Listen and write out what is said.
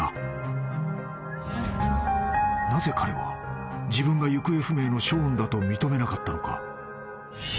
［なぜ彼は自分が行方不明のショーンだと認めなかったのか？］